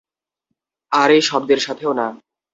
আর এই শব্দের সাথেও না।